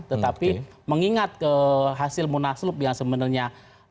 tetapi mengingat ke hasil munaslup yang sebenarnya